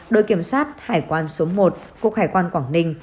đội kiểm soát hải quan số một cục hải quan quảng ninh